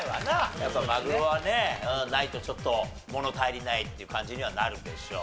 やっぱマグロはねないとちょっと物足りないっていう感じにはなるでしょう。